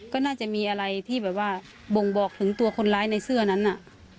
ก็น่าจะมีอะไรที่แบบว่าบ่งบอกถึงตัวคนร้ายในเสื้อนั้นน่ะ